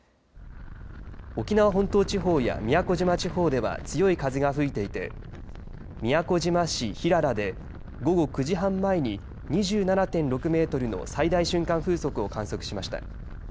沖縄本島地方や宮古島地方では強い風が吹いていて宮古島市平良で午後９時半前に２７．６メートルの最大瞬間風速を観測しました。